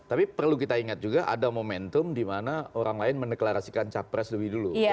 tapi perlu kita ingat juga ada momentum dimana orang lain meneklarasikan capres lebih dulu